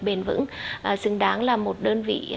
bền vững xứng đáng là một đơn vị